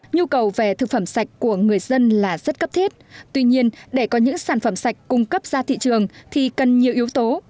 nhu cầu về thực phẩm sạch của người dân là rất cấp thiết tuy nhiên để có những sản phẩm sạch cung cấp ra thị trường thì cần nhiều yếu tố